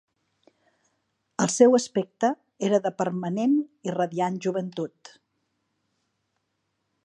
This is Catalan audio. El seu aspecte era de permanent i radiant joventut.